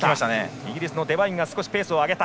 イギリスのデバインが少しペースを上げた。